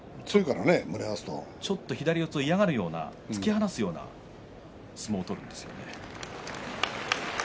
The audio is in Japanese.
左四つを嫌がるような突き放すような相撲を取るんですね。